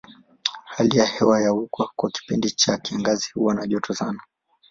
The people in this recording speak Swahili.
Hali ya hewa ya huko kwa kipindi cha kiangazi huwa na joto sana.